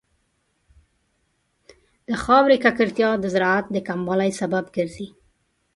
د خاورې ککړتیا د زراعت د کموالي سبب ګرځي.